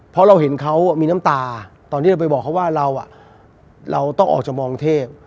เพราะเราเห็นเขามีน้ำตาตอนที่เราไปบอกเขาว่าเราต้องออกจากมองเทพ